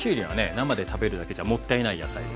生で食べるだけじゃもったいない野菜ですね。